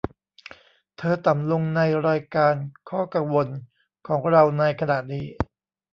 เธอต่ำลงในรายการข้อกังวลของเราในขณะนี้